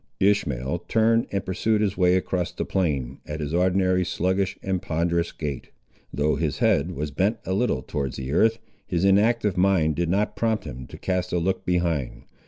Ishmael turned and pursued his way across the plain, at his ordinary sluggish and ponderous gait. Though his head was bent a little towards the earth, his inactive mind did not prompt him to cast a look behind.